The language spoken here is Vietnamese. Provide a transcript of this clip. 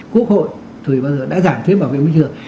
quốc hội đã giảm thuế bảo vệ môi trường